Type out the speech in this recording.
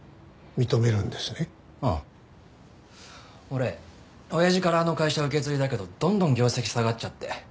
俺親父からあの会社受け継いだけどどんどん業績下がっちゃって。